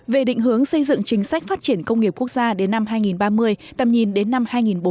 về định hướng xây dựng chính sách phát triển công nghiệp quốc gia đến năm hai nghìn ba mươi tầm nhìn đến năm hai nghìn bốn mươi